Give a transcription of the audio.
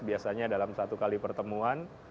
biasanya dalam satu kali pertemuan